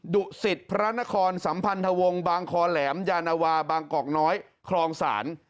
ดุสิตพระนครสัมพันธวงศ์บางคอแหลมยานวาบางกอกน้อยคลองศาล